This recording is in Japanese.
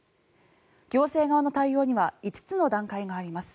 行政側の対応には５つの段階があります。